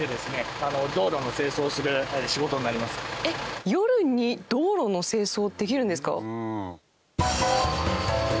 えっ夜に道路の清掃できるんですか？